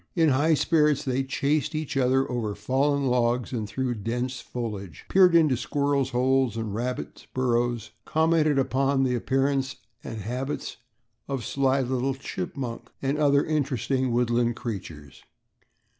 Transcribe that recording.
In high spirits, they chased each other over fallen logs and through the dense foliage, peered into squirrels' holes and rabbits' burrows, commented upon the appearance and habits of the sly little chipmunk and other interesting, woodland creatures.